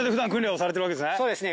そうですね